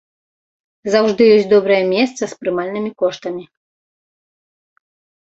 Заўжды ёсць добрае месца з прымальнымі коштамі.